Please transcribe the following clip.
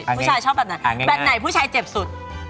แบบไหนผู้ชายเจ็บสุด